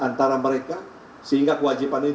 antara mereka sehingga kewajipannya